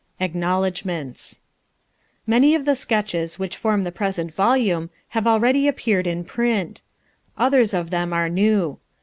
Acknowledgments Many of the sketches which form the present volume have already appeared in print. Others of them are new.